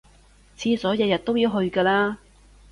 廁所日日都要去㗎啦